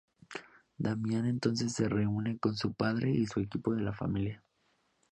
Damian entonces se reúne con su padre y su equipo de la familia.